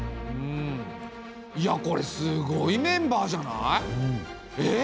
うんいやこれすごいメンバーじゃない！？